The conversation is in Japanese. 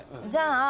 じゃあ７。